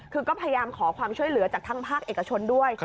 คือก็พยายามขอความช่วยเหลือจากทั้งภาคเอกชนด้วย